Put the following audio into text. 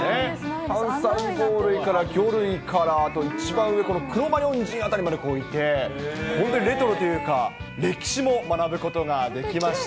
単細胞類から魚類から、あと一番上、クロマニョン人までいて、本当にレトロというか、歴史も学ぶことができました。